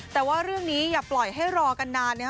แต่ว่าเรื่องนี้อย่าปล่อยให้รอกันนานนะฮะ